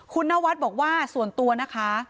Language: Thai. คุณนวัดบอกว่าส่วนตัวนะคะ